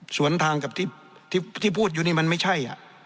สวนทางกับที่พูดอยู่นี่มันไม่ใช่